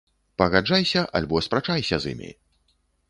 Пагаджайся альбо спрачайся з імі!